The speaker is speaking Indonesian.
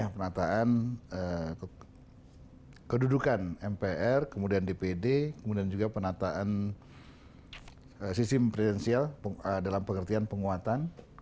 penataan kedudukan mpr kemudian dpd kemudian juga penataan sistem presidensial dalam pengertian penguatan